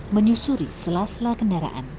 menyusuri sela sela kendaraan